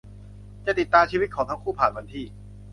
จะติดตามชีวิตของทั้งคู่ผ่านวันที่